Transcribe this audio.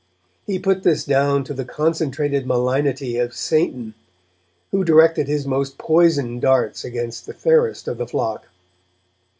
He put this down to the concentrated malignity of Satan, who directed his most poisoned darts against the fairest of the flock.